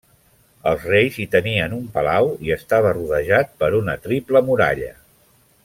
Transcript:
Els reis hi tenien un palau i estava rodejada per una triple muralla.